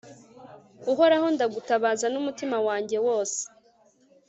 uhoraho, ndagutabaza n'umutima wanjye wose